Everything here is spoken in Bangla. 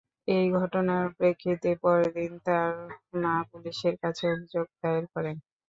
এই ঘটনার প্রেক্ষিতে পরদিন তার মা পুলিশের কাছে অভিযোগ দায়ের করেন।